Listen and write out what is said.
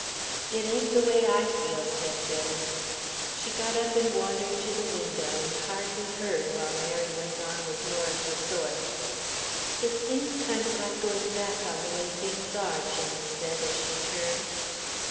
"It ain't the way I feel," said Jenny. She got up and wandered to the window and hardly heard while Mary went on with more of the sort. "It seems kind of like going back on the ways things are," Jenny said, as she turned.